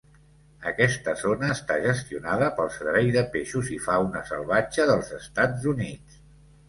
Aquesta zona està gestionada pel Servei de peixos i fauna salvatge dels Estats Units.